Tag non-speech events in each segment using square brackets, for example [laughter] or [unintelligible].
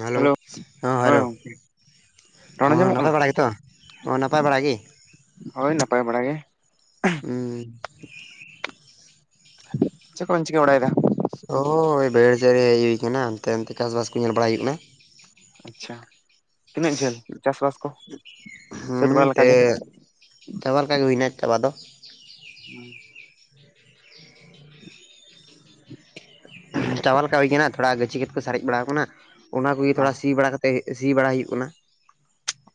Hello ᱦᱮᱸ ᱦᱳᱭ hello, ᱜᱚᱝᱠᱮ ᱨᱚᱲ ᱦᱚᱸ ᱟᱸᱡᱚᱢᱚᱜ ᱱᱟᱯᱟᱭ ᱠᱟᱱᱟ ᱵᱟᱲᱟ ᱜᱮᱛᱚ ᱦᱚᱸ ᱱᱟᱯᱟᱭ ᱵᱟᱲᱟ ᱜᱮ, ᱦᱳᱭ ᱱᱟᱯᱟᱭ ᱵᱟᱲᱟ ᱜᱮ ᱦᱩᱸ ᱪᱮᱫ ᱠᱚ ᱵᱮᱱ ᱪᱮᱠᱟᱹ ᱵᱟᱲᱟᱭᱮ ᱫᱟ, ᱦᱳ ᱵᱟᱹᱭᱟᱹᱲ ᱥᱮᱫ ᱨᱮ ᱦᱮᱡ ᱦᱩᱭ ᱠᱟᱱᱟ ᱟᱱᱛᱮ ᱟᱱᱛᱮ ᱪᱟᱥᱵᱟᱥ ᱠᱚ ᱧᱮᱞ ᱵᱟᱲᱟᱟᱭ ᱦᱩᱭᱩᱜ ᱠᱟᱱᱟ, ᱟᱪᱪᱷᱟ ᱛᱤᱱᱟᱹᱜ ᱡᱷᱟᱹᱞ ᱪᱟᱥᱵᱟᱥ ᱠᱚ ᱥᱟᱹᱛ ᱵᱟᱲᱟ ᱦᱩᱸ ᱛᱮ ᱞᱮᱠᱟᱜ ᱜᱮ, ᱪᱟᱵᱟ ᱞᱮᱠᱟᱜ ᱜᱮ ᱦᱩᱭᱱᱟ ᱪᱟᱵᱟ ᱫᱚ, [unintelligible] [inaudible] ᱪᱟᱵᱟ ᱞᱮᱠᱟ ᱦᱩᱭ ᱟᱠᱟᱱᱟ ᱛᱷᱚᱲᱟ ᱜᱟᱹᱪᱷᱤ ᱜᱮᱫ ᱠᱚ ᱥᱟᱨᱮᱡ ᱵᱟᱲᱟ ᱟᱠᱟᱱᱟ ᱚᱱᱟ ᱠᱚᱜᱮ ᱚ ᱛᱷᱚᱲᱟ ᱥᱤ ᱵᱟᱲᱟ ᱠᱟᱛᱮ ᱛᱮ ᱥᱤ ᱵᱟᱲᱟ ᱦᱩᱭᱩᱜ ᱠᱟᱱᱟ,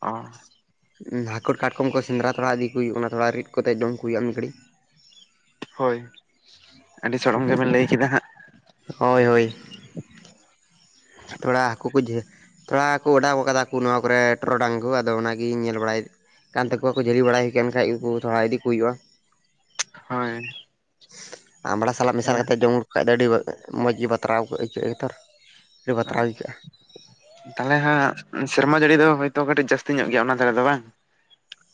ᱚ ᱦᱟᱹᱠᱩᱲ ᱠᱟᱴᱠᱚᱢ ᱠᱚ ᱥᱮᱸᱫᱽᱨᱟ ᱛᱚᱨᱟ ᱤᱫᱤ ᱠᱚ ᱦᱩᱭᱩᱜ ᱠᱟᱱᱟ ᱛᱷᱚᱲᱟ ᱨᱤᱫ ᱠᱟᱛᱮᱫ ᱡᱚᱢ ᱠᱚ ᱦᱩᱭᱩᱜᱼᱟ ᱢᱤᱫ ᱜᱷᱟᱹᱲᱤᱡ, ᱦᱳᱭ ᱟᱹᱰᱤ ᱥᱚᱲᱚᱢ ᱜᱮᱵᱮᱱ ᱞᱟᱹᱭ ᱠᱮᱫᱟ ᱦᱟᱸᱜ ᱦᱳᱭ ᱦᱳᱭ, ᱛᱷᱚᱲᱟ ᱦᱟᱹᱠᱩ ᱠᱚ ᱡᱷᱟ ᱛᱷᱚᱲᱟ ᱠᱚ ᱚᱰᱟᱣ ᱟᱠᱟᱫᱟ ᱠᱚ ᱱᱚᱣᱟ ᱠᱚᱨᱮ ᱴᱚᱨᱚᱰᱟᱝ ᱠᱚ ᱟᱫᱚ ᱚᱱᱟᱜᱤᱧ ᱧᱮᱞ ᱵᱟᱲᱟᱭ ᱠᱟᱱ ᱛᱟᱠᱚᱣᱟ ᱠᱚ ᱡᱷᱟᱹᱞᱤ ᱵᱟᱲᱟᱭ ᱟᱠᱟᱱ ᱠᱷᱟᱡ ᱩᱱᱠᱩ ᱛᱷᱚᱲᱟ ᱤᱫᱤ ᱠᱚ ᱦᱩᱭᱩᱜᱼᱟ, ᱦᱚᱭ ᱟᱢᱲᱟ ᱥᱟᱞᱟᱜ ᱢᱮᱥᱟᱞ ᱠᱟᱛᱮ ᱡᱚᱢ ᱠᱷᱟᱡ ᱫᱚ ᱟᱹᱰᱤ ᱢᱚᱡᱽ ᱜᱮ ᱵᱟᱛᱨᱟᱣ ᱟᱹᱭᱠᱟᱹᱜ ᱜᱮᱛᱚ ᱞᱮ ᱦᱳᱭ ᱵᱟᱛᱨᱟᱣ ᱦᱩᱭ ᱠᱟᱜ-ᱟ, ᱛᱟᱦᱚᱞᱮ ᱦᱟᱸᱜ ᱥᱮᱨᱢᱟ ᱡᱟᱹᱲᱤ ᱫᱚ ᱦᱳᱭ ᱛᱳ ᱠᱟᱹᱴᱤᱡ ᱡᱟᱹᱥᱛᱤ ᱧᱚᱜ ᱜᱮᱭᱟ ᱚᱱᱟ ᱫᱷᱟᱨᱮ ᱫᱚ ᱵᱟᱝ,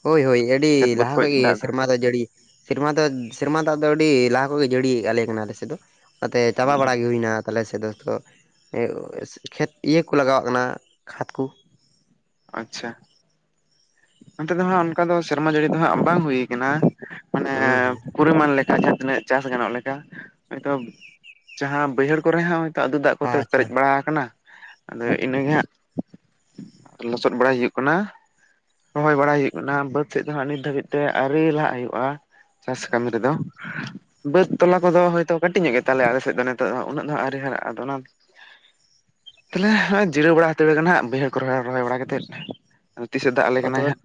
ᱦᱳᱭ ᱦᱳᱭ ᱟᱹᱰᱤ ᱠᱷᱮᱛ ᱵᱟᱹᱫᱽ ᱞᱟᱦᱟ ᱠᱷᱚᱡ ᱜᱮ ᱫᱚ ᱥᱮᱨᱢᱟ ᱫᱟᱜ ᱡᱟᱹᱲᱤ, ᱥᱮᱨᱢᱟ ᱫᱚ ᱥᱮᱨᱢᱟ ᱫᱟᱜ ᱫᱚ ᱟᱹᱰᱤ ᱞᱟᱦᱟ ᱠᱚᱜᱮ ᱡᱟᱹᱲᱤᱭᱮᱫ ᱟᱞᱮ ᱠᱟᱱᱟ ᱟᱞᱮᱥᱮᱫ ᱫᱚ ᱚᱱᱟᱛᱮ ᱪᱟᱵᱟ ᱵᱟᱲᱟᱟᱜ ᱜᱮ ᱦᱩᱭᱱᱟ ᱛᱟᱦᱚᱞᱮ ᱥᱮᱫ ᱫᱚ ᱠᱷᱮᱛ ᱤᱭᱟᱹ ᱠᱚ ᱞᱟᱜᱟᱣᱟᱜ ᱠᱟᱱᱟ ᱠᱷᱟᱛ ᱠᱩ ᱟᱪᱪᱷᱟ ᱚᱱᱛᱮ ᱫᱚ ᱦᱟᱸᱜ ᱚᱱᱠᱟ ᱫᱚ ᱥᱮᱨᱢᱟ ᱡᱟᱹᱲᱤ ᱫᱚ ᱦᱟᱸᱜ ᱵᱟᱝ ᱦᱩᱭ ᱠᱟᱱᱟ᱾ ᱢᱟᱱᱮ ᱦᱩᱸ ᱦᱩᱸ ᱯᱚᱨᱤᱢᱟᱱ ᱞᱮᱠᱟ ᱡᱟᱦᱟᱸ ᱛᱤᱱᱟᱹᱜ ᱪᱟᱥ ᱜᱟᱱᱚᱜ ᱞᱮᱠᱟ ᱦᱚᱭᱛᱚ ᱡᱟᱦᱟᱸ ᱵᱟᱹᱭᱦᱟᱹᱲ ᱠᱚᱨᱮ ᱦᱚᱸ ᱛᱚᱛᱩ ᱫᱟᱜ ᱠᱚᱛᱮ ᱟᱪᱪᱷᱟ ᱯᱮᱨᱮᱡ ᱵᱟᱲᱟ ᱠᱟᱱᱟ ᱟᱫᱚ ᱤᱱᱟᱹᱜᱮ ᱦᱟᱸᱜ ᱞᱚᱥᱚᱫ ᱵᱟᱲᱟᱭ ᱦᱩᱭᱩᱜ ᱠᱟᱱᱟ᱾ ᱨᱚᱦᱚᱭ ᱵᱟᱲᱟᱭ ᱦᱩᱭᱩᱜ ᱠᱟᱱᱟ ᱵᱟᱹᱫ ᱥᱮᱡ ᱦᱟᱸᱜ ᱱᱤᱛ ᱫᱷᱟᱹᱵᱤᱡ ᱛᱮ ᱟᱨᱮ ᱞᱟᱦᱟᱜ ᱦᱩᱭᱩᱜ-ᱟ᱾ ᱪᱟᱥ ᱠᱟᱹᱢᱤ ᱨᱮᱫᱚ ᱵᱟᱹᱫ ᱛᱚᱞᱟ ᱠᱚᱫᱚ ᱦᱚᱭ ᱛᱳ ᱠᱟᱹᱴᱤᱡ ᱧᱚᱜ ᱜᱮ ᱛᱟᱞᱮᱭᱟ ᱟᱞᱮ ᱥᱮᱫ ᱫᱚ ᱱᱤᱛᱚᱜ ᱫᱚ ᱩᱱᱟᱹᱜ ᱟᱹᱣᱨᱤ ᱦᱟᱨᱟᱜ-ᱟ ᱚᱱᱟ ᱛᱟᱦᱚᱞᱮ ᱱᱚᱜ-ᱚᱭ ᱡᱤᱨᱟᱹᱣ ᱵᱟᱲᱟ ᱦᱟᱛᱟᱹᱲᱟ ᱠᱟᱱᱟ ᱦᱟᱸᱜ ᱵᱟᱹᱭᱦᱟᱹᱲ ᱠᱚ ᱨᱚᱨᱮ ᱨᱚᱦᱚᱭ ᱵᱟᱲᱟ ᱠᱟᱛᱮᱫ ᱛᱤᱥᱮ ᱫᱟᱜ ᱟᱞᱮ ᱠᱟᱱᱟᱭ ᱛᱚᱵᱮ ᱦᱟᱸᱜ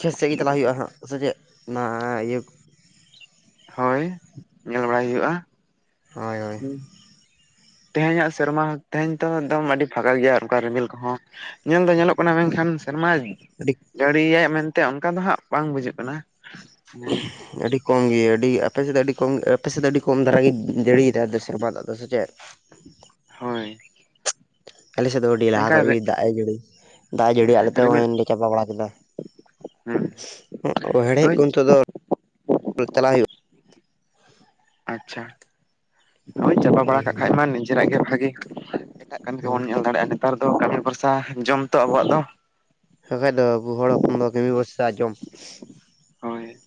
ᱠᱷᱮᱛ ᱥᱮᱫ ᱜᱮ ᱪᱟᱞᱟᱜ ᱦᱩᱭᱩᱜ-ᱟ ᱦᱟᱸᱜ ᱥᱮ ᱪᱮᱫ ᱚᱱᱟ ᱤᱭᱟᱹ ᱦᱳᱭ ᱧᱮᱞ ᱵᱟᱲᱟᱭ ᱦᱩᱭᱩᱜ-ᱟ᱾ ᱦᱳᱭ ᱦᱳᱭ ᱦᱩᱸ ᱛᱮᱦᱮᱧ ᱟᱜ ᱥᱮᱨᱢᱟ ᱛᱮᱦᱮᱧ ᱛᱚ ᱮᱠᱫᱚᱢ ᱟᱹᱰᱤ ᱯᱷᱟᱸᱠᱟ ᱜᱮᱭᱟ ᱚᱱᱠᱟ ᱨᱤᱢᱤᱞ ᱠᱚᱦᱚᱸ ᱧᱮᱞ ᱫᱚ ᱧᱮᱞᱚᱜ ᱠᱟᱱᱟ ᱢᱮᱱᱠᱷᱟᱱ ᱥᱮᱨᱢᱟ [unintelligible] ᱡᱟᱹᱲᱤᱭᱟᱭ ᱢᱮᱱᱛᱮ ᱚᱱᱠᱟ ᱫᱚ ᱦᱟᱸᱜ ᱵᱟᱝ ᱵᱩᱡᱩᱜ ᱠᱟᱱᱟ᱾ ᱟᱹᱰᱤ ᱠᱚᱢ ᱜᱮ ᱟᱹᱰᱤ ᱟᱯᱮ ᱥᱮᱫ ᱫᱚ ᱟᱹᱰᱤ ᱠᱚᱢ ᱟᱯᱮ ᱥᱮᱫ ᱫᱚ ᱟᱹᱰᱤ ᱠᱚᱢ ᱫᱷᱟᱨᱟ ᱜᱮ ᱡᱟᱹᱲᱤᱭᱟ ᱫᱚ ᱥᱮᱨᱢᱟ ᱫᱟᱜ ᱫᱚ ᱥᱮ ᱪᱮᱫ? ᱦᱳᱭ [unintelligible] ᱟᱞᱮᱥᱮᱫ ᱫᱚ ᱟᱹᱰᱤ ᱞᱟᱦᱟ ᱢᱮᱱᱠᱷᱟᱱ ᱠᱷᱚᱡ ᱜᱮ ᱫᱟᱜ ᱮ ᱡᱟᱹᱲᱤ ᱫᱟᱜ ᱮ ᱡᱟᱹᱲᱤ ᱟᱞᱮ ᱨᱤᱢᱤᱞ ᱦᱚᱸᱭ ᱞᱮ ᱪᱟᱵᱟ ᱵᱟᱲᱟ ᱠᱮᱫᱟ᱾ ᱦᱮᱲᱦᱮᱫ ᱦᱳᱭ ᱠᱚ ᱱᱤᱛ ᱫᱚ [unintelligible] ᱪᱟᱞᱟᱜ ᱦᱩᱭᱩᱜ ᱟᱪᱪᱷᱟ ᱦᱳᱭ ᱪᱟᱵᱟ ᱵᱟᱲᱟ ᱠᱟᱜ ᱠᱷᱟᱡ ᱢᱟ ᱱᱤᱡᱮᱨᱟᱜ ᱜᱮ ᱵᱷᱟᱹᱜᱤ᱾ ᱮᱴᱟᱜ ᱠᱟᱹᱢᱤ ᱦᱳᱭ ᱠᱚᱵᱚᱱ ᱧᱮᱞ ᱫᱟᱲᱮᱭᱟᱜ-ᱟ ᱱᱮᱛᱟᱨ ᱫᱚ ᱠᱟᱹᱢᱤ ᱵᱷᱚᱨᱥᱟ ᱡᱚᱢ ᱛᱚ ᱟᱵᱚᱣᱟᱜ ᱫᱚ ᱦᱮ ᱵᱟᱠᱷᱟᱡ ᱫᱚ ᱟᱵᱚ ᱦᱚᱲ ᱦᱚᱯᱚᱱ ᱫᱚ ᱠᱟᱢᱤ ᱵᱚᱨᱥᱟ ᱡᱚᱢ ᱦᱳᱭ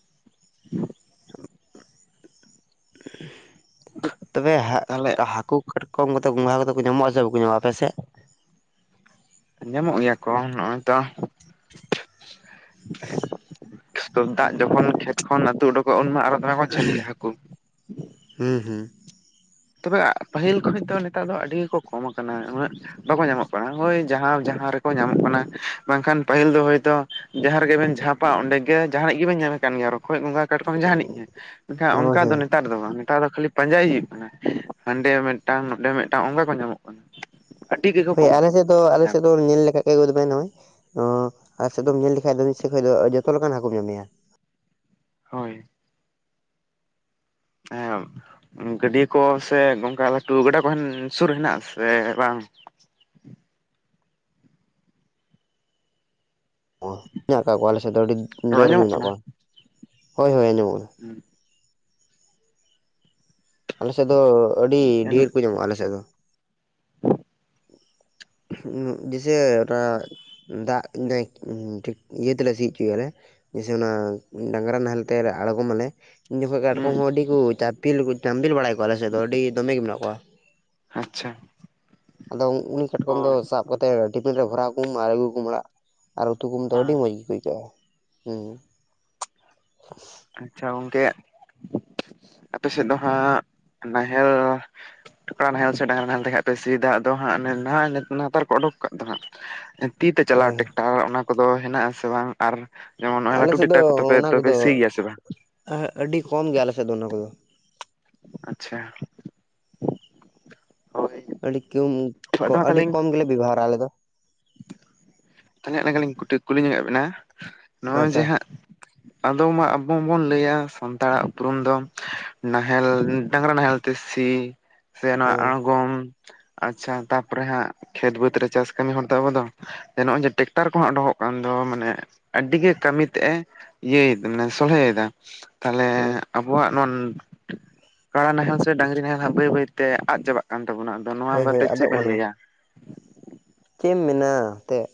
ᱛᱚᱵᱮ ᱛᱟᱦᱚᱞᱮ ᱦᱟᱹᱠᱩ ᱠᱟᱴᱠᱚᱢ ᱠᱚᱛᱮ ᱜᱚᱸᱜᱷᱟ ᱠᱚ ᱠᱟᱛᱮ ᱠᱚ ᱧᱟᱢᱚᱜ-ᱟ ᱥᱮ ᱵᱟᱠᱚ ᱧᱟᱢᱟ ᱟᱯᱮ ᱥᱮᱫ? ᱧᱟᱢᱚᱜ ᱜᱮᱭᱟ ᱠᱚ ᱱᱚᱜ-ᱚᱭ ᱛᱚ ᱫᱟᱜ ᱡᱚᱠᱷᱚᱱ ᱠᱷᱮᱛ ᱠᱷᱚᱱ ᱟᱹᱛᱩ ᱩᱰᱩᱠᱚᱜ-ᱟ ᱩᱱᱢᱟ ᱟᱨᱚ ᱫᱷᱟᱨᱟ ᱠᱷᱚᱱ ᱡᱷᱟᱹᱞᱤᱜ-ᱟ ᱦᱟᱹᱠᱩ ᱦᱩᱸ ᱦᱩᱸ ᱛᱚᱵᱮ ᱯᱟᱹᱦᱤᱞ ᱠᱷᱚᱡ ᱫᱚ ᱱᱮᱛᱟᱨ ᱫᱚ ᱟᱹᱰᱤ ᱜᱮᱠᱚ ᱠᱚᱢ ᱠᱟᱱᱟ ᱩᱱᱟᱹᱜ ᱵᱟᱠᱚ ᱧᱟᱢᱚᱜ ᱠᱟᱱᱟ ᱦᱳᱭ ᱡᱟᱦᱟᱸ ᱡᱟᱦᱟᱸ ᱨᱮᱠᱚ ᱧᱟᱢᱚᱜ ᱠᱟᱱᱟ ᱵᱟᱝᱠᱷᱟᱱ ᱯᱟᱹᱦᱤᱞ ᱫᱚ ᱦᱳᱭ ᱛᱳ ᱡᱟᱦᱟᱸ ᱨᱮᱜᱮᱵᱮᱱ ᱡᱷᱟᱯᱟ ᱚᱸᱰᱮ ᱜᱮ ᱡᱟᱦᱟᱱᱟᱜ ᱜᱮᱵᱮᱱ ᱧᱟᱢᱮ ᱠᱟᱱ ᱜᱮᱭᱟ ᱨᱚᱠᱚᱡ ᱜᱚᱸᱜᱟ ᱠᱟᱴᱠᱚᱢ ᱡᱟᱦᱟᱱᱤᱡ ᱜᱮ ᱢᱮᱱᱠᱷᱟᱱ ᱦᱳᱭ ᱚᱱᱠᱟ ᱫᱚ ᱦᱳᱭ ᱱᱮᱛᱟᱨ ᱫᱚ ᱵᱟᱝ ᱱᱮᱛᱟᱨ ᱫᱚ ᱠᱷᱟᱹᱞᱤ ᱯᱟᱸᱡᱟᱭ ᱦᱩᱭᱩᱜ ᱠᱟᱱᱟ᱾ ᱦᱟᱸᱰᱮ ᱢᱤᱫᱴᱟᱝ ᱱᱚᱰᱮ ᱢᱤᱫᱴᱟᱝ ᱚᱱᱠᱟ ᱠᱚ ᱧᱟᱢᱚᱜ ᱠᱟᱱᱟ᱾ ᱟᱹᱰᱤ ᱜᱮᱠᱚ ᱦᱳᱭ ᱠᱚᱢ ᱟᱞᱮᱥᱮᱫ ᱫᱚ ᱟᱠᱟᱱᱟ ᱟᱞᱮᱥᱮᱫ ᱫᱚ ᱧᱮᱞ ᱞᱮᱠᱷᱟᱡ ᱜᱮ ᱟᱹ ᱜᱩᱮ ᱱᱚᱜ-ᱚᱭ ᱟᱞᱮᱥᱮᱫ ᱫᱚᱢ ᱧᱮᱞ ᱞᱮᱠᱷᱟᱱ ᱫᱚᱢ ᱟᱞᱮ ᱠᱷᱚᱡ ᱫᱚ ᱡᱚᱛᱚ ᱞᱮᱠᱟᱱ ᱦᱟᱹᱠᱩ ᱧᱟᱢᱮᱭᱟ ᱦᱳᱭ ᱦᱮ ᱜᱟᱹᱰᱤᱭᱟᱹ ᱠᱚ ᱥᱮ ᱜᱚᱜᱷᱟ ᱞᱟᱹᱴᱩ ᱜᱟᱰᱟ ᱠᱚ ᱥᱩᱨ ᱦᱮᱱᱟᱜ-ᱟ ᱥᱮ ᱵᱟᱝ ᱚ ᱢᱮᱱᱟᱜ ᱠᱟᱫ ᱠᱚᱣᱟ ᱟᱞᱮ ᱥᱮᱫ ᱫᱚ ᱟᱹᱰᱤ ᱨᱚᱲ ᱡᱳᱨ ᱜᱮ ᱟᱸᱡᱚᱢᱚᱜ ᱢᱮᱱᱟᱜ ᱠᱚᱣᱟ ᱦᱳᱭ ᱦᱳᱭ ᱟᱸᱡᱚᱢᱚᱜ-ᱟ ᱦᱩᱸ ᱟᱞᱮᱥᱮᱫ ᱫᱚ ᱟᱹᱰᱤ ᱰᱷᱮᱨ ᱠᱚ ᱧᱟᱢᱚᱜ-ᱟ᱾ ᱟᱞᱮᱥᱮᱫ ᱫᱚ ᱡᱮᱥᱮ [unintelligible] ᱫᱟᱜ ᱤᱭᱟᱹ ᱛᱮᱞᱮ ᱥᱤ ᱦᱚᱪᱚᱭᱟᱞᱮ ᱡᱮᱭᱮ ᱚᱱᱟ ᱰᱟᱝᱨᱟ ᱱᱟᱦᱮᱞ ᱛᱮ ᱟᱬᱜᱚᱢᱚᱢᱟᱞᱮ ᱩᱱ ᱡᱚᱠᱷᱚᱱ ᱦᱩᱸ ᱠᱟᱴᱠᱚᱢᱦᱚᱸ ᱟᱹᱰᱤᱠᱩ ᱪᱟᱯᱤᱞ ᱪᱟᱯᱤᱞ ᱵᱟᱲᱟᱭ ᱠᱚᱣᱟ ᱟᱞᱮᱥᱮᱫ ᱫᱚ ᱟᱹᱰᱤ ᱫᱚᱢᱮᱜᱮ ᱢᱮᱱᱟᱜ ᱠᱚᱣᱟ᱾ ᱟᱪᱪᱷᱟ ᱟᱫᱚ ᱩᱱᱤ ᱠᱟᱴᱠᱚᱢ ᱫᱚ ᱥᱟᱵ ᱠᱟᱛᱮᱫ ᱴᱤᱯᱷᱤᱱ ᱨᱮ ᱵᱷᱚᱨᱟᱣᱩᱢ ᱟᱨ ᱟᱹᱜᱩᱢ ᱚᱲᱟᱜ ᱟᱨ ᱩᱛᱩ ᱠᱚ ᱫᱚ ᱦᱮᱸ ᱟᱹᱰᱤ ᱢᱚᱸᱡᱽ ᱜᱮ ᱟᱹᱭᱠᱟᱹᱜ-ᱟ ᱦᱮᱸ ᱟᱪᱪᱷᱟ ᱜᱚᱝᱠᱮ ᱟᱯᱮ ᱥᱮᱫ ᱫᱚ ᱦᱟᱸᱜ ᱱᱟᱦᱮᱞ ᱠᱚᱲᱟ ᱱᱟᱦᱮᱞ ᱥᱮ ᱰᱟᱝᱨᱟ ᱱᱟᱦᱮᱞ ᱛᱮᱜᱮᱦᱟᱸ ᱯᱮ ᱥᱤ ᱫᱟᱜ ᱫᱚ ᱦ ᱱᱟᱦ ᱱᱟᱨ ᱠᱚᱠᱚ ᱚᱰᱩᱠ ᱠᱟᱜ ᱫᱚ ᱦᱟᱸᱜ? [inaudible] ᱛᱤ ᱛᱮ ᱪᱟᱞᱟᱣ ᱦᱳᱭ ᱴᱮᱠᱴᱟᱨ ᱚᱱᱟ ᱠᱚᱫᱚ ᱦᱮᱱᱟᱜᱼᱟᱥᱮ ᱵᱟᱝ ᱟᱨ ᱡᱮᱢᱚᱱ ᱱᱚ-ᱚᱭ ᱟᱞᱮ ᱞᱟᱹᱴᱩ ᱴᱮᱠᱴᱟᱨ ᱠᱚᱛᱮ ᱥᱤᱭ ᱜᱮᱭᱟ ᱥᱮ ᱵᱟᱝ? ᱦ ᱟᱹᱰᱤ ᱠᱚᱢ ᱜᱮᱭᱟ ᱟᱞᱮᱥᱮᱫ ᱫᱚ ᱚᱱᱟ ᱠᱚᱫᱚ᱾ ᱟᱪᱪᱷᱟ᱾ ᱦᱳᱭ ᱟᱹᱰᱤ ᱠᱩᱢ ᱟᱹᱰᱤ ᱠᱚᱢ ᱜᱮᱞᱮ ᱵᱮᱵᱚᱦᱟᱨᱟ ᱟᱞᱮᱫ ᱫᱚ᱾ ᱛᱟᱦᱞᱮ ᱱᱮᱭ ᱞᱮᱠᱟ ᱞᱤᱧ ᱠᱩᱞᱤ ᱧᱚᱜᱮ ᱵᱮᱱᱟ ᱱᱚᱜᱼᱚᱭ ᱡᱮ ᱟᱪᱪᱷᱟ ᱦᱟᱸᱜ ᱟᱫᱚ ᱢᱟ ᱟᱵᱚ ᱵᱚᱱ ᱞᱟᱹᱭᱟ ᱥᱟᱱᱛᱟᱲᱟᱜ ᱩᱯᱨᱩᱢ ᱫᱚ ᱱᱟᱦᱮᱞ ᱰᱟᱝᱨᱟ ᱱᱟᱦᱮᱞ ᱛᱮ ᱥᱤ᱾ ᱥᱮ ᱱᱚᱣᱟ ᱦᱮᱸ ᱟᱬᱜᱚᱢ ᱟᱪᱪᱷᱟ ᱛᱟᱯᱚᱨᱮ ᱦᱟᱸᱜ ᱠᱷᱮᱛ ᱵᱟᱹᱫᱽ ᱨᱮ ᱪᱟᱥ ᱠᱟᱹᱢᱤ ᱦᱚᱲ ᱚ ᱫᱚ ᱱᱚᱜᱼᱚᱭ ᱡᱮ ᱴᱨᱟᱠᱴᱟᱨ ᱠᱚᱦᱚᱸ ᱩᱰᱚᱜ ᱠᱟᱱ ᱫᱚ ᱢᱟᱱᱮ ᱟᱹᱰᱤ ᱜᱮ ᱠᱟᱹᱢᱤ ᱛᱮᱜ ᱮ ᱤᱭᱟᱹᱭ ᱢᱟᱱᱮ ᱥᱚᱞᱦᱮᱭᱮᱫᱟ ᱛᱟᱦᱞᱮ ᱦᱮᱸ ᱟᱵᱚᱣᱟᱜ ᱱᱚᱣᱟ ᱠᱟᱲᱟ ᱱᱟᱦᱮᱞ ᱥᱮ ᱰᱟᱝᱨᱤ ᱱᱟᱦᱮᱞ ᱵᱟᱹᱭ ᱵᱟᱹᱭᱛᱮ ᱟᱫ ᱪᱟᱵᱟᱜ ᱠᱟᱱ ᱛᱟᱵᱚᱱᱟ᱾ ᱟᱫᱚ ᱱᱚᱣᱟ ᱦᱳᱭ ᱦᱳᱭ ᱵᱟᱨᱛᱮ ᱟᱫᱚ ᱪᱮᱫ ᱵᱮᱱ ᱚᱱᱟ ᱞᱟᱹᱭᱟ? ᱪᱮᱫ ᱮᱢ ᱢᱮᱱᱟ ᱮᱱᱛᱮᱫ᱾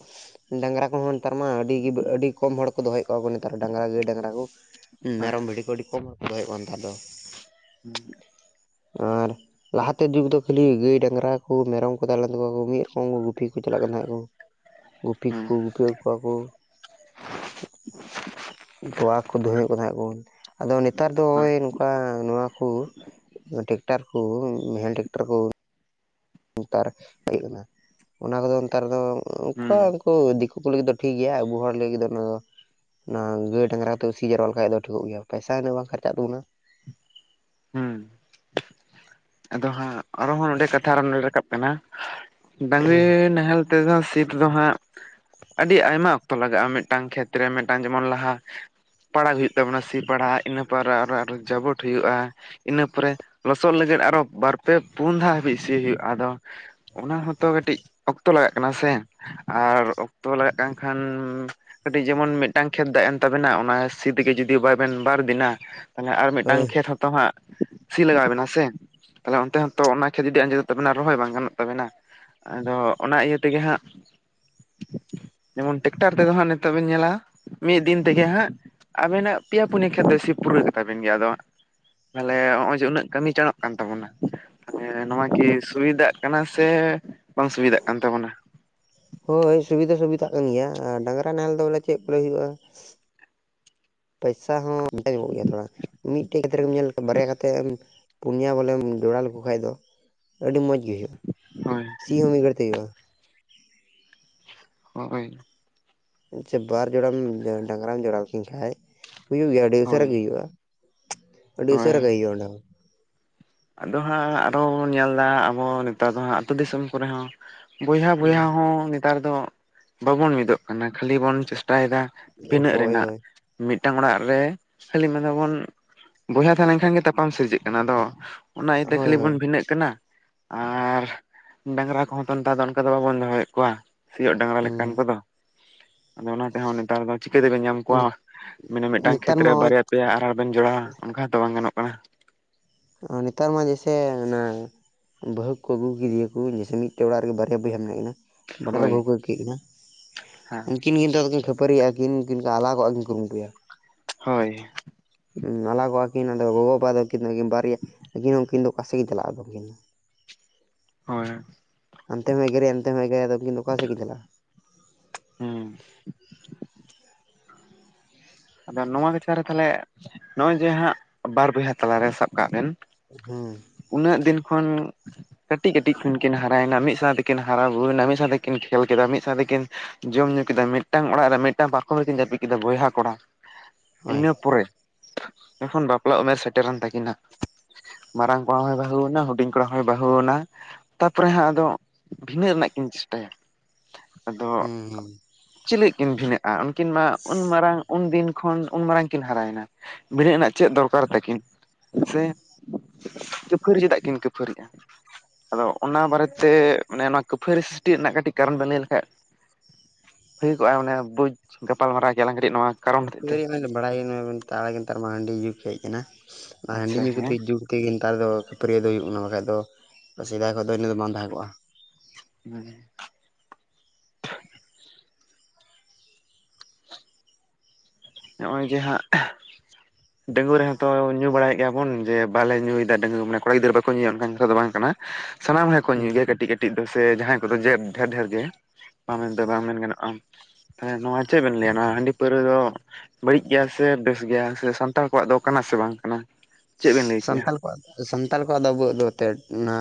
ᱰᱟᱝᱨᱟ ᱠᱚᱦᱚᱸ ᱱᱮᱛᱟᱨ ᱢᱟ ᱟᱹᱰᱤ ᱟᱹᱰᱤ ᱠᱚᱢ ᱦᱚᱲ ᱠᱚ ᱫᱚᱦᱚᱭᱮᱫ ᱠᱚᱣᱟ ᱠᱚ ᱱᱮᱛᱟᱨ ᱰᱟᱝᱨᱟ ᱜᱟᱹᱭ ᱰᱟᱝᱨᱟ ᱠᱚ᱾ ᱦᱳᱭ ᱢᱮᱨᱚᱢ ᱵᱷᱤᱰᱤ ᱠᱚ ᱟᱹᱰᱤ ᱠᱚᱢ ᱦᱚᱲ ᱫᱚᱦᱚᱭ ᱭᱮ ᱠᱚᱢ ᱱᱮᱛᱟᱨ ᱫᱚ᱾ ᱦᱩᱸ᱾ ᱟᱨ ᱞᱟᱦᱟᱛᱮ ᱡᱩᱜᱽ ᱫᱚ ᱠᱷᱟᱹ ᱜᱟᱹᱭ ᱰᱟᱝᱨᱟ ᱠᱚ ᱢᱮᱨᱚᱢ ᱠᱚ ᱛᱟᱦᱮᱸ ᱞᱮᱱ ᱛᱟᱠᱚᱣᱟ ᱢᱤᱫ ᱨᱚᱠᱚᱢ ᱜᱩᱯᱤ ᱠᱚ ᱪᱟᱞᱟᱜ ᱠᱟᱱ ᱛᱟᱦᱮᱸᱫ᱾ ᱜᱩᱯᱤ ᱠᱚ ᱜᱩᱯᱤ ᱟᱜᱩᱠᱚᱣᱟ ᱠᱚ᱾ ᱛᱚᱣᱟ ᱠᱩ ᱫᱚᱩᱦᱚᱭᱮᱫ ᱠᱚ ᱛᱟᱦᱮᱸ ᱟᱠᱚ ᱵᱩᱱ ᱟᱫᱚ ᱱᱮᱛᱟᱨ ᱫᱚ ᱦᱩᱸ ᱱᱚᱜᱭ ᱱᱚᱝᱠᱟ ᱱᱚᱣᱟᱠᱩ ᱢᱮ ᱴᱠᱴᱟᱨ ᱠᱚ ᱱᱮᱛᱟᱨ ᱦᱮᱜ ᱮᱱᱟ ᱚᱱᱟ ᱠᱚᱫᱚ ᱱᱮᱛᱟᱨ ᱫᱚ ᱩᱱᱠᱟᱹ ᱦᱩᱸ ᱩᱱᱠᱩ ᱫᱤᱠᱩ ᱩᱱᱠᱩ ᱞᱟᱹᱜᱤᱫ ᱫᱚ ᱴᱷᱤᱠ ᱜᱮᱭᱟ ᱟᱵᱚ ᱦᱚᱲ ᱞᱟᱹᱜᱤᱫ ᱫᱚ ᱚᱱᱟ ᱫᱚ ᱚᱱᱟ ᱜᱟᱹᱭ ᱰᱟᱝᱜᱨᱟ ᱛᱮ ᱥᱤ ᱡᱟᱣᱨᱟ ᱞᱮᱠᱟᱱᱡ ᱫᱚ ᱴᱷᱤᱠ ᱜᱮᱭᱟ ᱯᱟᱭᱥᱟ ᱩᱱᱟᱹᱜ ᱵᱟᱝ ᱠᱷᱟᱨᱪᱟᱜ ᱛᱟᱵᱚᱱᱟ᱾ ᱦᱩᱸ ᱟᱫᱚ ᱦᱟᱸᱜ ᱟᱨᱦ ᱱᱚᱰᱮ ᱠᱟᱛᱷᱟ ᱟᱨᱚ ᱨᱟᱠᱟᱵ ᱠᱟᱱᱟ ᱰᱟᱝᱨᱤ ᱱᱟᱦᱮᱞ ᱛᱮᱫᱚ ᱥᱤᱴ ᱫᱚ ᱦᱟᱸᱜ ᱟᱹᱰᱤ ᱟᱭᱢᱟ ᱚᱠᱛᱚ ᱞᱟᱜᱟᱜᱼᱟ ᱢᱤᱫᱴᱟᱝ ᱠᱷᱮᱛᱨᱮ ᱢᱤᱫᱴᱟᱝ ᱡᱮᱢᱚᱱ ᱞᱟᱦᱟ ᱯᱟᱲᱟᱜ ᱦᱩᱭᱩᱜ ᱛᱟᱵᱚᱱᱟ ᱥᱤ ᱯᱟᱲᱦᱟᱜ ᱤᱱᱟᱹ ᱯᱚᱨᱮ ᱟᱨ ᱟᱨᱚ ᱡᱟᱵᱩᱚᱴ ᱦᱩᱭᱩᱜᱼᱟ᱾ ᱤᱱᱟᱹ ᱯᱚᱨᱮ ᱞᱚᱥᱚᱫ ᱞᱟᱹᱜᱤᱫ ᱟᱨᱚ ᱵᱟᱨ ᱯᱮ ᱯᱩᱱ ᱫᱷᱟᱣ ᱦᱟᱹᱵᱤᱡ ᱥᱤ ᱦᱩᱭᱩᱜᱼᱟ ᱟᱫᱚ᱾ ᱚᱱᱟ ᱦᱚᱸᱛᱚ ᱠᱟᱹᱴᱤᱡ ᱚᱠᱛᱚ ᱞᱟᱜᱟᱜ ᱠᱟᱱᱟ ᱥᱮ ᱟᱨ ᱚᱠᱛᱚ ᱞᱟᱜᱟᱜ ᱠᱟᱱ ᱠᱷᱟᱱ ᱠᱟᱹᱴᱤᱡ ᱡᱮᱢᱚᱱ ᱢᱤᱫᱴᱟᱝ ᱠᱷᱮᱛ ᱫᱟᱜ ᱮᱱ ᱛᱟᱵᱮᱱᱟ ᱚᱱᱟ ᱥᱤ ᱛᱮᱜᱮ ᱡᱩᱫᱤ ᱵᱟᱵᱮᱱ ᱵᱟᱨᱫᱤᱱᱟ ᱛᱟᱦᱞᱮ ᱟᱨ ᱢᱤᱫᱴᱟᱝ ᱠᱷᱮᱛ ᱦᱚᱛᱚ ᱦᱟᱸᱜ ᱥᱤ ᱞᱟᱜᱟᱣ ᱵᱮᱮᱱᱟ ᱥᱮ᱾ ᱛᱟᱦᱚᱞᱮ ᱚᱱᱛᱮ ᱦᱚᱸ ᱛᱚ ᱚᱱᱟ ᱠᱷᱮᱛ ᱡᱩᱫᱤ ᱟᱸᱡᱮᱫᱚᱜ ᱛᱟᱵᱮᱱᱟ ᱨᱚᱦᱚᱭ ᱵᱟᱝ ᱜᱟᱱᱚᱜ ᱛᱟᱵᱮᱱᱟ᱾ ᱟᱫᱚ ᱚᱱᱟ ᱤᱭᱟᱹ ᱛᱮᱜᱮ ᱦᱟᱸᱜ ᱡᱮᱢᱚᱱ ᱴᱮᱠᱴᱟᱨ ᱛᱮᱫᱚ ᱦᱜ ᱱᱤᱛᱚᱜ ᱵᱤᱱ ᱧᱮᱞᱟ ᱢᱤᱫ ᱫᱤᱱ ᱛᱮᱜᱮ ᱦᱟᱸᱜ ᱟᱵᱤᱱᱟᱜ ᱯᱮᱭᱟ ᱯᱩᱱᱭᱟᱹ ᱠᱷᱮᱛ ᱯᱩᱨᱟᱹᱜ ᱠᱟᱛᱟ ᱵᱤᱱ ᱜᱮᱭᱟ ᱟᱫᱚ ᱦᱟᱸ ᱛᱟᱦᱟᱞᱮ ᱱᱚᱜᱼᱚᱭ ᱡᱮ ᱩᱱᱟᱹᱜ ᱠᱟᱹᱢᱤ ᱪᱟᱱᱚᱜ ᱠᱟᱱ ᱛᱟᱵᱚᱱᱟ᱾ ᱛᱟᱦᱮᱱ ᱱᱚᱣᱟ ᱠᱤ ᱥᱩᱵᱤᱫᱷᱟᱜ ᱠᱟᱱᱟᱹ ᱥᱮ ᱵᱟᱝ ᱥᱩᱵᱤᱫᱟᱜ ᱠᱟᱱ ᱛᱟᱵᱚᱱᱟ? ᱦᱳᱭ ᱥᱩᱵᱤᱫᱟ ᱥᱩᱵᱤᱫᱟᱜ ᱠᱟᱱ ᱜᱮᱭᱟ ᱟᱨ ᱰᱟᱝᱨᱟ ᱱᱟᱦᱮᱞ ᱫᱚ ᱵᱚᱞᱮ ᱪᱮᱫ ᱵᱚᱞᱮ ᱦᱩᱭᱩᱜᱼᱟ ᱯᱚᱭᱥᱟ ᱦᱚᱸ ᱧᱟᱢᱚᱜ ᱜᱮᱭᱟ ᱛᱷᱚᱲᱟ ᱢᱤᱫᱴᱮᱡ ᱠᱷᱮᱛᱨᱮ ᱨᱮᱢ ᱧᱮᱞ ᱵᱟᱨᱭᱟ ᱠᱟᱛᱮ ᱯᱩᱱᱭᱟ ᱵᱚᱞᱮᱢ ᱡᱚᱲᱟ ᱞᱮᱠᱚᱠᱷᱟᱱ ᱫᱚ ᱟᱹᱰᱤ ᱢᱚᱸᱡᱽᱜ ᱦᱳᱭᱳᱜᱼᱟ ᱦᱳᱭ ᱥᱤ ᱦᱚᱸ ᱢᱤᱫᱜᱷᱟᱹᱲ ᱛᱮ ᱦᱳᱼᱟ᱾ ᱦᱳᱭᱭ [unintelligible] ᱟᱪᱷᱟ ᱵᱟᱨ ᱡᱚᱲᱟᱢ ᱰᱟᱝᱨᱟᱢ ᱡᱚᱲᱟᱣ ᱠᱤᱧ ᱠᱷᱟᱡ ᱦᱩᱭᱩᱜ ᱜᱮᱭᱟ ᱟᱹᱰᱤ ᱦᱳᱭ ᱩᱥᱟᱹᱨᱟ ᱜᱮ ᱦᱩᱭᱩᱜᱼᱟᱹ᱾ ᱟᱹᱰᱤ ᱦᱳᱭ ᱩᱥᱟᱹᱨᱟ ᱜᱤ ᱦᱩᱭᱩᱜᱼᱟ ᱚᱸᱰᱮ ᱦᱚᱸ᱾ ᱟᱫᱚ ᱦᱟᱸᱜ ᱟᱨᱚ ᱵᱚᱱ ᱧᱮᱞᱫᱟ ᱟᱵᱚ ᱱᱮᱛᱟᱨ ᱫᱚ ᱦᱟᱸᱜ ᱟᱹᱛᱳ ᱫᱤᱥᱚᱢ ᱠᱚᱨᱮ ᱦᱚᱸ ᱵᱚᱭᱦᱟ ᱵᱚᱭᱦᱟ ᱦᱚᱸ ᱱᱮᱛᱟᱨ ᱫᱚ ᱵᱟᱵᱚᱱ ᱢᱤᱫᱚᱜ ᱠᱟᱱᱟ ᱠᱷᱟᱹᱞᱤ ᱵᱚᱱ ᱪᱮᱥᱴᱟᱭ ᱴᱟᱭᱫᱟ ᱵᱤᱱᱟᱹᱜ ᱦᱳᱭ ᱨᱮᱱᱟᱜ ᱦᱳᱭ ᱢᱤᱫᱴᱟᱝ ᱚᱲᱟᱜ ᱨᱮ ᱠᱷᱟᱹᱞᱤ ᱢᱮᱱᱫᱟᱵᱚᱱ ᱵᱚᱭᱦᱟ ᱛᱟᱦᱮᱸ ᱞᱮᱱᱠᱷᱟᱱ ᱜᱮ ᱛᱟᱯᱟᱢ ᱥᱤᱨᱡᱟᱹᱜ ᱠᱟᱱᱟ ᱛᱚ ᱚᱱᱟ ᱤᱭᱟᱹᱛᱮ ᱦᱳᱭ ᱠᱷᱟᱹᱞᱤ ᱦᱳᱭ ᱵᱚᱱ ᱵᱷᱤᱱᱟᱹᱜ ᱠᱟᱱᱟ ᱟᱨ ᱰᱟᱝᱨᱟ ᱠᱚ ᱦᱚᱸ ᱱᱮᱛᱟᱨ ᱫᱚ ᱚᱱᱠᱟ ᱫᱚ ᱵᱟᱵᱚᱱ ᱫᱚᱦᱚᱭᱮᱫ ᱠᱚᱣᱟ ᱥᱤᱭᱳᱜ ᱰᱟᱝᱨᱟ ᱞᱮᱠᱟᱱ ᱦᱩᱸ ᱠᱚᱫᱚ, ᱟᱫᱚ ᱚᱱᱟ ᱛᱮᱦᱚᱸ ᱱᱮᱛᱟᱨ ᱫᱚ ᱪᱤᱠᱟᱹ ᱛᱮᱵᱮ ᱧᱟᱢ ᱠᱚᱣᱟ ᱢᱟᱱᱮ ᱢᱤᱫᱴᱟᱝ ᱱᱮᱛᱟᱨ ᱠᱷᱮᱛᱨᱮ ᱢᱟ ᱱᱚᱜᱼᱚᱭ ᱵᱟᱨᱭᱟ ᱯᱮᱭᱟ ᱟᱨᱚ ᱵᱮᱱ ᱡᱚᱲᱟᱣᱟ ᱚᱱᱠᱟᱛᱚ ᱵᱟᱝ ᱜᱟᱱᱚᱜ ᱠᱟᱱᱟ᱾ ᱱᱮᱛᱟᱨ ᱢᱟ ᱡᱮᱭᱥᱮ ᱚᱱᱟ ᱵᱟᱹᱦᱩ ᱠᱚ ᱟᱹᱜᱩ ᱠᱤᱭᱟ ᱠᱚ ᱡᱮᱭᱥᱮ ᱢᱤᱫᱴᱮᱱ ᱚᱲᱟᱜ ᱨᱮᱜ ᱵᱟᱨᱭᱟ ᱵᱚᱭᱦᱟ ᱦᱳᱭ ᱢᱮᱱᱟᱜ ᱠᱤᱱᱟ ᱦᱮᱸ [unintelligible] ᱠᱤᱱ ᱠᱤᱱᱛᱩ ᱫᱚᱠᱤᱱ ᱠᱷᱟᱹᱯᱟᱹᱨᱤᱭᱼᱟᱤᱱ ᱟᱞᱟᱜᱚᱜ ᱠᱤᱱ ᱠᱩᱨᱩᱢᱴᱩᱭᱟ ᱦᱳᱭ ᱟᱞᱟᱜᱚᱜ ᱟᱠᱤᱱ ᱚᱫᱚ ᱜᱚᱜᱚ ᱵᱟᱵᱟ ᱫᱚᱠᱤᱱ ᱵᱟᱨᱭᱟ ᱟᱹᱠᱤᱱ ᱦᱚᱸ ᱩᱱᱠᱤᱱ ᱫᱚ ᱚᱠᱟᱥᱮᱫ ᱜᱮᱠᱤᱱ ᱪᱟᱞᱟᱜᱼᱟ [inaudible] ᱦᱳᱭ ᱟᱱᱛᱮᱢ ᱮᱜᱮᱨᱮᱭᱟ ᱮᱱᱛᱮ ᱦᱚᱸ ᱟᱫᱚᱠᱤᱱ ᱚᱠᱟ ᱥᱮᱫᱠᱤᱱ ᱪᱟᱜᱼᱟ ᱦᱮᱸ ᱟᱫᱚ ᱱᱚᱣᱟ ᱠᱟᱪᱷᱟ ᱨᱮ ᱛᱟᱦᱚᱞᱮ ᱱᱚᱜᱼᱚᱭ ᱡᱮ ᱦᱟᱸᱜ ᱵᱟᱨ ᱵᱚᱭᱦᱟ ᱛᱟᱞᱟᱨᱮ ᱥᱟᱵ ᱠᱟᱜ ᱵᱮᱱ ᱦᱮᱸ ᱩᱱᱟᱹᱜ ᱫᱤᱱ ᱠᱷᱚᱱ ᱠᱟᱹᱴᱤᱡ ᱠᱟᱹᱴᱤᱡ ᱠᱷᱚᱱ ᱠᱤᱱ ᱦᱟᱨᱟᱭᱮᱱᱟ ᱢᱤᱫ ᱥᱟᱶ ᱛᱮᱠᱤᱱ ᱦᱟᱨᱟ ᱵᱩᱨᱩᱭᱱᱟ ᱢᱤᱫ ᱥᱟᱶ ᱛᱮᱠᱤᱱ ᱠᱷᱮᱞ ᱠᱮᱫᱟ ᱢᱤᱫ ᱥᱟᱶ ᱛᱮᱠᱤᱱ ᱡᱚᱢ ᱧᱩ ᱠᱮᱫᱟ ᱢᱤᱫᱴᱟᱝ ᱚᱲᱟᱜ ᱨᱮ ᱢᱤᱫᱴᱟᱝ ᱯᱟᱨᱠᱷᱚᱢ ᱨᱮᱠᱤᱱ ᱡᱟᱹᱯᱤᱫ ᱠᱮᱫᱟ ᱵᱚᱭᱦᱟ ᱠᱚᱲᱟ ᱦᱳᱭ ᱤᱱᱟᱹ ᱯᱚᱨᱮ ᱮᱠᱷᱚᱱ ᱵᱟᱯᱞᱟ ᱩᱢᱮᱨ ᱥᱮᱴᱮᱨᱮᱱ ᱛᱟᱹᱠᱤᱱᱟ ᱢᱟᱨᱟᱝ ᱠᱚᱲᱟ ᱦᱚᱭ ᱵᱟᱹᱦᱩᱱᱟ ᱦᱩᱰᱤᱧ ᱠᱚᱲᱟ ᱦᱚᱭ ᱵᱟᱹᱦᱩᱱᱟ ᱛᱟᱨᱯᱚᱨᱮ ᱦᱟᱸᱜ ᱟᱫᱚ ᱵᱷᱤᱱᱟᱹᱜ ᱨᱮᱱᱟᱜ ᱠᱤᱱ ᱪᱮᱥᱴᱟᱭᱟ ᱟᱫᱚ ᱦᱮᱸ ᱦᱮᱸ ᱪᱤᱞ ᱞᱟᱹᱜᱤᱫ ᱠᱤᱱ ᱵᱷᱤᱱᱟᱹᱜᱼᱟ ᱩᱱᱠᱤᱱ ᱢᱟ ᱩᱱ ᱢᱟᱨᱟᱝ ᱩᱱ ᱠᱷᱚᱱ ᱩᱱ ᱢᱟᱨᱟᱝ ᱠᱤᱱ ᱦᱟᱨᱟᱭᱮᱱᱟ ᱵᱤᱱᱟᱹᱜ ᱨᱮᱱᱟᱜ ᱪᱮᱫ ᱫᱚᱨᱠᱟᱨ ᱛᱟᱹᱠᱤᱱ ᱥᱮ ᱠᱷᱟᱹᱯᱟᱹᱨᱤ ᱪᱮᱫᱟᱜ ᱠᱤᱱ ᱠᱷᱟᱹᱯᱟᱹᱨᱤᱜᱼᱟ ᱟᱫᱚ ᱚᱱᱟ ᱵᱟᱨᱮᱛᱮ ᱢᱟᱱᱮ ᱱᱚᱣᱟ ᱠᱟᱹᱯᱟᱹᱨᱤ ᱥᱨᱤᱥᱴᱤ ᱨᱮᱱᱟᱜ ᱠᱟᱹᱴᱤᱡ ᱠᱟᱨᱚᱱ ᱵᱮᱱ ᱞᱟᱹᱭ ᱞᱮᱠᱷᱟᱡ ᱦᱩᱭ ᱠᱚᱜᱼᱟ ᱢᱟᱱᱮ ᱵᱩᱡᱽ ᱜᱟᱯᱟᱞᱢᱟᱨᱟᱣ ᱠᱟᱹᱴᱤᱢ ᱱᱚᱣᱟ ᱠᱟᱨᱚᱱ ᱥᱟᱥᱛᱚ ᱦᱚᱛᱮᱡ ᱛᱮ ᱫᱚ ᱵᱟᱲᱟᱭᱮᱱ ᱱᱮᱛᱟᱨ ᱢᱟ ᱦᱟᱺᱰᱤ ᱡᱩᱜᱽ ᱦᱮᱡ ᱟᱠᱟᱱᱟ ᱦᱟᱺᱰᱤ ᱟᱪᱪᱷᱟ ᱧᱩ ᱦᱮᱸ ᱠᱟᱛᱟᱜ ᱛᱮᱜᱮ ᱱᱮᱛᱟᱨ ᱫᱚ ᱠᱷᱟᱹᱯᱟᱹᱨᱤᱭᱟᱹ ᱫᱚ ᱦᱩᱭᱩᱜ ᱚᱱᱟ ᱵᱟᱠᱷᱟᱡ ᱫᱚ ᱥᱮᱫᱟᱭ ᱠᱷᱚᱱ ᱫᱚ ᱤᱱᱟᱹ ᱫᱚ ᱵᱟᱝ ᱛᱟᱦᱮᱸᱠᱚᱜᱼᱟ ᱦᱩᱸ ᱱᱚᱜᱼᱚᱭ ᱡᱮ ᱦᱟᱸᱜ ᱰᱟᱹᱝᱣᱟ ᱨᱮᱦᱚᱸ ᱛᱚ ᱧᱩ ᱵᱟᱲᱟᱭᱮᱫ ᱜᱮᱭᱟ ᱵᱚᱱ ᱡᱮ ᱵᱟᱞᱮ ᱧᱩᱭᱮᱫᱟ ᱢᱟᱱᱮ ᱠᱚᱲᱟ ᱜᱤᱫᱨᱟᱹ ᱵᱟᱠᱚ ᱧᱩᱭᱭᱟ ᱚᱱᱠᱟᱱ ᱠᱟᱛᱷᱟ ᱫᱚ ᱵᱟᱝ ᱠᱟᱱᱟ ᱥᱟᱱᱟᱢ ᱦᱚᱲ ᱠᱚ ᱦᱩᱸ ᱧᱩᱭ ᱜᱮᱭᱟ ᱠᱟᱹᱴᱤᱡ ᱠᱟᱹᱴᱤᱡ ᱫᱚ ᱥᱮ ᱡᱟᱦᱟᱸᱭ ᱠᱚᱫᱚ ᱰᱷᱮᱨ ᱰᱷᱮᱨ ᱜᱮ ᱢᱮᱱᱫᱚ ᱵᱟᱝ ᱢᱮᱱ ᱜᱟᱱᱚᱜᱼᱟ ᱪᱮᱜ ᱵᱮᱱ ᱞᱟᱹᱣᱟ ᱦᱟᱺᱰᱤ ᱯᱟᱹᱣᱨᱟᱹ ᱫᱚ ᱵᱟᱹᱲᱤᱡ ᱜᱮᱭᱟ ᱥᱮ ᱵᱮᱥ ᱜᱮᱭᱟ ᱥᱮ ᱥᱟᱱᱛᱟᱲ ᱠᱚᱣᱟᱜ ᱫᱚ ᱠᱟᱱᱟ ᱥᱮ ᱵᱟᱝ ᱠᱟᱱᱟ ᱪᱮᱫ ᱵᱮᱱ ᱞᱟᱹᱭ ᱠᱮᱭᱟ ᱥᱟᱱᱛᱟᱲ ᱠᱚᱣᱟᱜ ᱥᱟᱱᱛᱟᱲ ᱠᱚᱣᱟᱜ ᱫᱚ ᱟᱵᱚ ᱫᱚ ᱮᱱᱛᱮᱫ ᱚᱱᱟ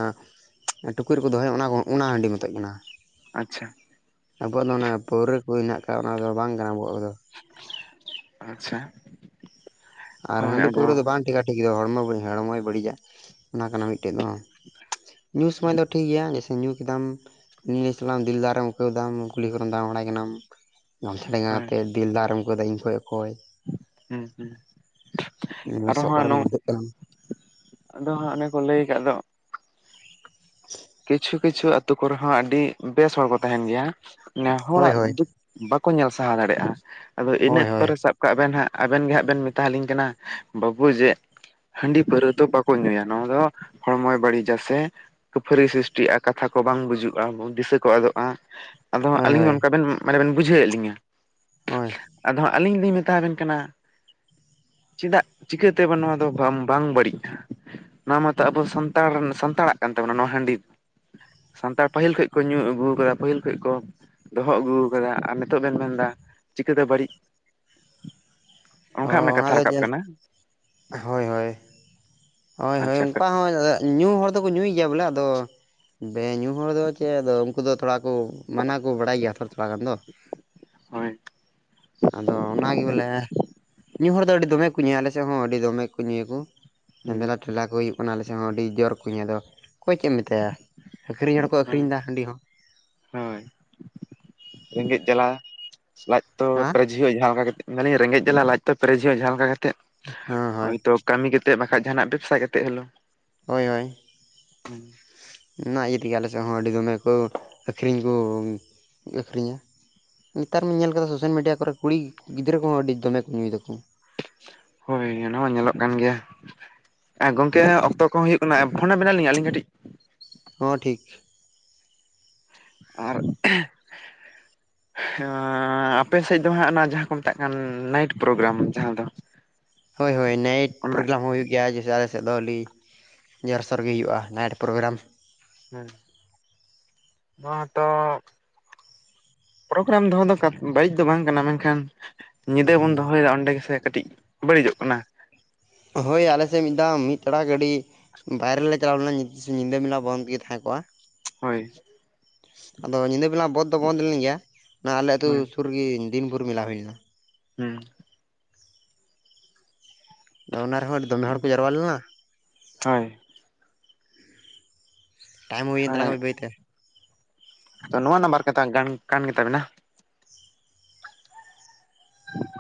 ᱴᱩᱠᱩᱡ ᱨᱮᱠᱚ ᱫᱚᱦᱚᱭ ᱚᱱᱟ ᱚᱱᱟ ᱦᱟᱺᱰᱤ ᱢᱚᱛᱚᱡ ᱠᱟᱱᱟ ᱟᱪᱪᱷᱟ ᱟᱵᱚᱣᱟᱜ ᱫᱚ ᱚᱱᱟ ᱯᱟᱹᱣᱨᱟᱹ ᱠᱚ ᱦᱮᱱᱟᱜ ᱟᱠᱟᱫ ᱚᱱᱟᱫᱚ ᱵᱟᱝ ᱠᱟᱱᱟ ᱟᱵᱚᱣᱟᱜ ᱠᱚᱫᱚ ᱟᱪᱪᱷᱟ ᱟᱨ ᱦᱳᱭ ᱦᱟᱺᱰᱤ ᱟᱫᱚ ᱯᱟᱹᱣᱨᱟᱹ ᱫᱚ ᱵᱟᱝ ᱴᱷᱤᱠᱟ ᱴᱷᱤᱠ ᱫᱚ ᱦᱚᱲᱢᱚ ᱦᱚᱲᱢᱚᱭ ᱵᱟᱹᱲᱤᱡᱟ ᱚᱱᱟ ᱠᱟᱱᱟ ᱢᱤᱫᱴᱮᱡ ᱫᱚ ᱧᱩ ᱥᱚᱢᱚᱭ ᱫᱚ ᱴᱷᱤᱠ ᱜᱮᱭᱟ᱾ ᱧᱩ ᱠᱮᱫᱟᱢ ᱱᱤᱭᱟᱹ ᱥᱟᱞᱟᱹᱭ ᱫᱤᱞ ᱫᱟᱨᱮᱢ ᱟᱹᱣᱠᱟᱹᱣ ᱫᱟ ᱠᱩᱞᱦᱤ ᱠᱚᱨᱮᱢ ᱫᱟᱬᱟ ᱵᱟᱲᱟᱭ ᱠᱟᱱᱟᱢ ᱜᱟᱢᱪᱷᱟ ᱰᱮᱸᱜᱟ ᱦᱳᱭ ᱠᱛᱮᱜ ᱫᱤᱞ ᱫᱟᱨ ᱮᱢ ᱟᱹᱣᱠᱟᱹᱣ ᱫᱟ ᱤᱧ ᱠᱷᱚᱱ ᱚᱠᱚᱭ ᱦᱮᱸ ᱦᱩᱸ ᱟᱨᱚ ᱞᱚᱥᱚᱫ ᱦᱟᱸᱜ ᱠᱚᱨᱮᱢ ᱱᱚᱝ ᱜᱩᱲᱫᱷᱟᱹᱜ ᱠᱟᱱ ᱟᱫᱚ ᱦᱟᱸᱜ ᱚᱱᱮ ᱠᱚ ᱞᱟᱹᱭ ᱠᱟᱜ ᱫᱚ [inaudible] ᱠᱤᱪᱷᱩ ᱠᱤᱪᱷᱩ ᱟᱹᱛᱩ ᱠᱚᱨᱮ ᱦᱚᱸ ᱟᱹᱰᱤ ᱵᱮᱥ ᱦᱚᱲ ᱠᱚ ᱛᱟᱦᱮᱱ ᱜᱮᱭᱟ ᱱᱮ ᱦᱳᱭ ᱦᱚᱲᱟᱜ ᱦᱳᱭ ᱫᱩᱠᱷ ᱵᱟᱠᱚ ᱧᱮᱞ ᱥᱟᱦᱟᱣ ᱫᱟᱲᱮᱭᱟᱜᱼᱟ ᱟᱫᱚ ᱤᱱᱟᱹ ᱦᱳᱭ ᱚᱠᱛᱚ ᱦᱳᱭ ᱨᱮ ᱥᱟᱵ ᱠᱟᱜ ᱵᱮᱱ ᱦᱟᱸᱜ ᱟᱵᱮᱱ ᱜᱮ ᱦᱟᱸᱜ ᱵᱮᱱ ᱢᱮᱛᱟ ᱦᱹᱟᱞᱤᱧ ᱠᱟᱱᱟ ᱵᱟᱹᱵᱩ ᱡᱮ ᱦᱟᱹᱸᱰᱤ ᱯᱟᱹᱣᱨᱟᱹ ᱫᱚ ᱵᱟᱠᱚ ᱧᱩᱭᱟ ᱱᱚᱣᱟ ᱫᱚ ᱦᱚᱲᱢᱚᱭ ᱵᱟᱹᱲᱤᱡᱟ ᱥᱮ ᱯᱷᱟᱹᱨᱤ ᱥᱨᱤᱥᱴᱤᱜᱼᱟ ᱠᱟᱛᱷᱟ ᱠᱚ ᱵᱟᱝ ᱵᱩᱡᱩᱜᱼᱟ ᱫᱤᱥᱟᱹ ᱠᱚ ᱟᱫᱚᱜᱼᱟ ᱟᱫᱚ ᱦᱳᱭ ᱟᱹᱞᱤᱧ ᱦᱳᱭ ᱚᱱᱠᱟ ᱵᱮᱱ ᱢᱟᱱᱮ ᱵᱮᱱ ᱵᱩᱡᱷᱟᱹᱣ ᱮᱫ ᱞᱤᱧᱟᱹ ᱦᱳᱭ ᱟᱫᱚ ᱟᱹᱞᱤᱧ ᱞᱤᱧ ᱢᱮᱛᱟ ᱦᱟᱵᱮᱱ ᱠᱟᱱᱟ ᱪᱮᱫᱟᱜ ᱪᱤᱠᱟᱹᱛᱮᱵᱮᱱ ᱱᱚᱣᱟ ᱫᱚ ᱵᱟᱝ ᱵᱟᱹᱲᱤᱡᱼᱟ ᱱᱚᱣᱟ ᱢᱟᱛᱚ ᱟᱵᱚ ᱥᱟᱱᱛᱟᱲ ᱥᱟᱱᱛᱟᱲᱟᱜ ᱠᱟᱱ ᱛᱟᱵᱚᱱᱟ ᱱᱚᱣᱟ ᱦᱟᱹᱸᱰᱤ ᱫᱚ ᱥᱟᱱᱛᱟᱲ ᱯᱟᱹᱦᱤᱞ ᱠᱷᱚᱡ ᱠᱚ ᱧᱩ ᱟᱹᱜᱩ ᱠᱟᱫᱟ ᱯᱟᱹᱦᱤᱞ ᱠᱷᱚᱡ ᱠᱚ ᱫᱚᱦᱚ ᱟᱹᱜᱩ ᱠᱟᱫᱟ ᱟᱨ ᱱᱤᱛᱚᱜ ᱵᱮᱱ ᱢᱮᱱᱫᱟ ᱪᱤᱠᱟᱹᱛᱮ ᱵᱟᱹᱲᱤᱡ [inaudible] ᱚ ᱚᱱᱠᱟ ᱢᱟᱱᱮ ᱚᱱᱟ ᱠᱟᱛᱷᱟ ᱫᱚ ᱨᱟᱠᱟᱵ ᱧᱮᱞ ᱠᱟᱱᱟ ᱦᱳᱭ ᱦᱳᱭ ᱦᱳᱭ ᱦᱳᱭ ᱟᱪᱪᱷᱟ ᱚᱱᱠᱟ ᱦᱚᱸ ᱦᱩᱭ ᱫᱟᱲᱮᱭᱟᱜ ᱧᱩ ᱦᱚᱲ ᱫᱚᱠᱚ ᱧᱩᱭ ᱜᱮᱭᱟ ᱵᱚᱞᱮ ᱟᱫᱚ ᱵᱮ ᱧᱩ ᱦᱚᱲ ᱫᱚ ᱪᱮᱫ ᱟᱫᱚ ᱩᱱᱠᱩ ᱫᱚ ᱛᱷᱚᱲᱟ ᱠᱚ ᱢᱟᱱᱟ ᱠᱚ ᱵᱟᱲᱟᱭ ᱜᱮᱭᱟ ᱛᱷᱚᱲᱟ ᱾ ᱛᱷᱚᱲᱟ ᱜᱟᱱ ᱫᱚ ᱦᱳᱭ ᱟᱫᱚ ᱚᱱᱟᱜᱮ ᱵᱚᱞᱮ ᱧᱩ ᱦᱚᱲ ᱫᱚ ᱟᱹᱰᱤ ᱫᱚᱢᱮ ᱠᱚ ᱧᱩᱭᱟ ᱟᱞᱮ ᱥᱮᱫ ᱦᱚᱸ ᱟᱹᱰᱤ ᱫᱚᱢᱮ ᱠᱚ ᱧᱩᱭᱟ ᱠᱚ ᱾ [unintelligible] ᱦᱩᱸ ᱢᱮᱞᱟ ᱠᱚ ᱦᱩᱭᱩᱜ ᱠᱟᱱᱟ ᱟᱞᱮ ᱥᱮᱫ ᱦᱚᱸ ᱟᱹᱰᱤ ᱡᱳᱨ ᱧᱮᱞ ᱾ ᱟᱫᱚ ᱚᱠᱚᱭ ᱪᱮᱫ ᱮᱢ ᱢᱮᱛᱟᱭᱟ ᱟᱹᱠᱷᱨᱤᱧ ᱦᱚᱲᱠᱚ ᱦᱳᱭ ᱟᱹᱠᱷᱨᱤᱧ ᱫᱟ ᱦᱟᱹᱸᱰᱤ ᱦᱚᱸ ᱦᱳᱭ ᱨᱮᱸᱜᱮᱡ ᱡᱟᱞᱟ ᱞᱟᱡ ᱦᱮᱸ ᱡᱟᱦᱟ ᱞᱮᱠᱟ ᱾ ᱢᱮᱱ ᱫᱟᱹᱞᱤᱧ ᱨᱮᱸᱜᱮᱡ ᱡᱟᱞᱟ ᱞᱟᱡ ᱛᱚ ᱯᱮᱨᱮᱡᱷᱚᱜᱼᱟ ᱡᱟᱦᱟᱸ ᱞᱮᱠᱟ ᱠᱟᱛᱮ ᱦᱳᱭ ᱦᱭᱛᱚ ᱠᱟᱹᱢᱤ ᱠᱟᱛᱮᱜ ᱵᱟᱠᱷᱟᱡ ᱡᱟᱦᱟᱱᱟᱜ ᱵᱮᱵᱽᱥᱟ ᱠᱟᱛᱮᱫ ᱦᱚᱞᱮᱳ ᱦᱳᱭ ᱦᱳᱭ [inaudible] ᱚᱱᱟ ᱤᱭᱟᱹ ᱛᱮᱜᱮ ᱟᱞᱮ ᱥᱮᱫ ᱦᱚᱸ ᱟᱹᱰᱤ ᱫᱚᱢᱮ ᱠᱚ ᱟᱹᱠᱷᱨᱤᱧ ᱠᱚ ᱟᱹᱠᱷᱨᱤᱧᱟ ᱱᱮᱛᱟᱨ ᱢᱟᱹᱧ ᱧᱮᱞ ᱠᱟᱫᱟ ᱥᱳᱥᱟᱞ ᱢᱤᱰᱤᱭᱟ ᱠᱚᱨᱮ ᱠᱩᱲᱤ ᱜᱤᱫᱽᱨᱟᱹ ᱠᱚᱦᱚᱸ ᱟᱹᱰᱤ ᱫᱚᱢᱮ ᱠᱚ ᱧᱩᱭ ᱫᱟᱠᱚ ᱦᱳᱭ ᱚᱱᱟ ᱢᱟ ᱧᱮᱞᱚᱜ ᱠᱟᱱ ᱜᱮᱭᱟ ᱟᱨ ᱜᱚᱢᱠᱮ ᱚᱠᱛᱚ ᱠᱚᱦᱚ ᱦᱩᱭᱩᱜ ᱠᱟᱱᱟ ᱯᱷᱳᱱ ᱟᱵᱮᱱᱟᱞᱤᱧ ᱟᱹᱞᱤᱧ ᱠᱟᱹᱴᱤᱡ ᱦᱚᱸ ᱴᱷᱤᱠ ᱟᱨ [inaudible] ᱟᱨ ᱟᱯᱮ ᱥᱮᱫ ᱫᱚ ᱦᱟᱸᱜ ᱚᱱᱟ ᱡᱟᱦᱟᱸ ᱠᱚ ᱢᱮᱛᱟᱜ ᱠᱟᱱ ᱱᱟᱭᱤᱴ ᱯᱨᱳᱜᱨᱟᱢ ᱡᱟᱦᱟᱸ ᱫᱚ ᱦᱳᱭ ᱦᱳᱭ ᱱᱟᱭᱤᱴ ᱚᱱᱟ ᱯᱨᱳᱜᱨᱟᱢ ᱦᱚᱸ ᱦᱩᱭᱩᱜ ᱜᱮᱭᱟ ᱡᱮᱥᱮ ᱥᱮᱫ ᱫᱚ ᱟᱹᱰᱤ ᱡᱳᱨᱥᱳᱨᱜᱮ ᱦᱩᱭᱩᱜᱼᱟ ᱱᱟᱭᱤᱴ ᱯᱨᱳᱜᱨᱟᱢ ᱦᱮᱸ ᱱᱚᱣᱟᱛᱚ ᱯᱨᱳᱜᱨᱟᱢ ᱫᱚᱦᱚ ᱫᱚ ᱵᱟᱹᱲᱤᱡ ᱫᱚ ᱵᱟᱝ ᱠᱟᱱᱟ ᱢᱮᱱᱠᱷᱟᱱ ᱧᱤᱫᱟᱹ ᱵᱚᱱ ᱫᱚᱦᱚᱭᱮᱫᱟ ᱚᱸᱰᱮ ᱜᱮᱥᱮ ᱠᱟᱹᱴᱤᱡ ᱵᱟᱹᱲᱤᱡᱚᱜ ᱠᱟᱱᱟ ᱦᱳᱭ ᱟᱞᱮᱥᱮᱫ ᱢᱤᱫ ᱫᱷᱟᱣ ᱢᱤᱫ ᱴᱟᱲᱟ ᱜᱟᱹᱰᱤ ᱵᱟᱭᱨᱮ ᱨᱮᱞᱮ ᱪᱟᱞᱟᱣ ᱞᱮᱱᱟ ᱧᱤᱫᱟᱹ ᱵᱮᱞᱟ ᱵᱚᱱᱫ ᱜᱮ ᱛᱟᱦᱮᱸ ᱠᱚᱜᱼᱟ ᱦᱳᱭ ᱟᱫᱚ ᱧᱤᱫᱟᱹ ᱵᱮᱞᱟ ᱵᱚᱸᱫᱷ ᱫᱚ ᱵᱸᱚᱫᱷ ᱞᱮᱱ ᱜᱮᱭᱟ ᱟᱞᱮ ᱟᱹᱛᱩ ᱦᱳᱭ ᱥᱩᱨ [unintelligible] ᱫᱤᱱ ᱵᱷᱳᱨ ᱢᱮᱞᱟ ᱦᱩᱭ ᱞᱮᱱᱟ ᱦᱩᱸ ᱚᱱᱟ ᱨᱮᱦᱚᱸ ᱟᱹᱰᱤ ᱫᱚᱢᱮ ᱦᱚᱲ ᱠᱚ ᱡᱟᱨᱣᱟ ᱞᱮᱱᱟ ᱦᱳᱭ ᱴᱟᱭᱤᱢ ᱦᱩᱭᱮᱱ ᱦᱳᱭ ᱛᱟᱞᱝᱼᱟ ᱵᱟᱭ ᱵᱟᱹᱭ ᱛᱮ ᱛᱚ ᱱᱚᱣᱟ ᱱᱟᱢᱵᱟᱨ ᱠᱟᱛ ᱜᱟᱱ ᱠᱟᱱ ᱜᱮᱛᱟᱵᱤᱱᱟ [unintelligible]